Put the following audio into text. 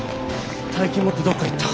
大金持ってどっか行った。